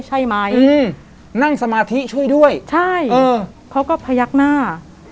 ใช่เขาก็พยักหน้า